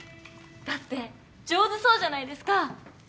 だって上手そうじゃないですか。